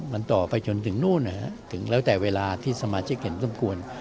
มันต่อไปจนถึงนู่นถึงแล้วแต่เวลาที่สมาชิกเห็นสมควร